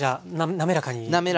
滑らかに。